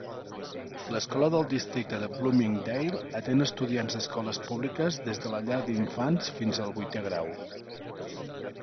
L"escola del districte de Bloomingdale atén estudiants d'escoles públiques des de la llar d'infants fins al vuitè grau.